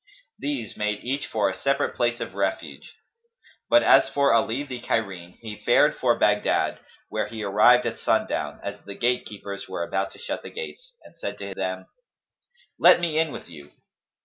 These made each for a separate place of refuge; but as for Ali the Cairene he fared for Baghdad, where he arrived at sundown, as the gatekeepers were about to shut the gates, and said to them, "Let me in with you."